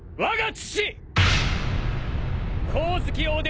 父！？